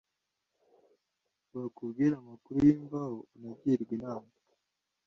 bakubwire amakuru y’imvaho; unagirwe inama;